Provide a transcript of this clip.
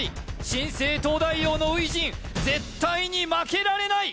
新生東大王の初陣絶対に負けられない！